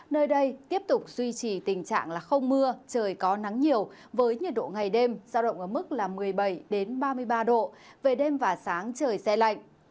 nơi đây tiếp tục duy trì tình trạng là không mưa trời có nắng nhiều với nhiệt độ ngày đêm giao động ở mức một mươi bảy ba mươi ba độ về đêm và sáng trời xe lạnh